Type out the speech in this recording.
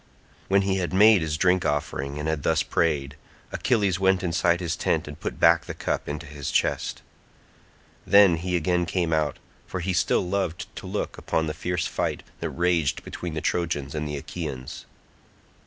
When he had made his drink offering and had thus prayed, Achilles went inside his tent and put back the cup into his chest. Then he again came out, for he still loved to look upon the fierce fight that raged between the Trojans and Achaeans.